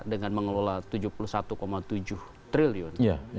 dengan mengelola rp tujuh puluh satu tujuh triliun